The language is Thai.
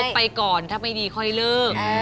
ไปก่อนถ้าไม่ดีค่อยเลิก